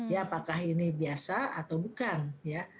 ya apakah ini biasa atau bukan ya